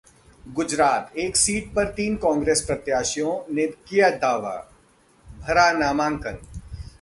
गुजरात: एक सीट पर तीन कांग्रेस प्रत्याशियों ने किया दावा, भरा नामांकन